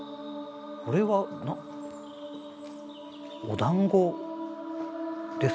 これはおだんごですかね？